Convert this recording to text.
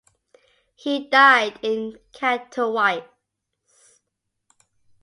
He died in Katowice.